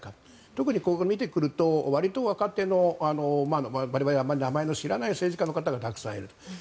特に、ここを見てくるとわりと若手の名前の知らない政治家の方がたくさんいる。